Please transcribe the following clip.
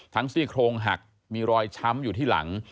ซี่โครงหักมีรอยช้ำอยู่ที่หลัง